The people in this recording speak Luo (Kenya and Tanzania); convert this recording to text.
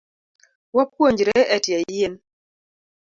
Wapuonjre etie yien